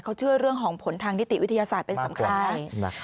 เขาเชื่อเรื่องของผลทางนิติวิทยาศาสตร์เป็นสำคัญนะ